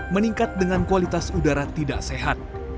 meningkat dengan kualitas udara tidak sehat